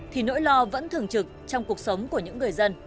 thì nỗi lo vẫn thường trực trong cuộc sống của những người dân